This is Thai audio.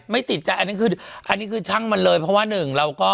ไม่ติดใจ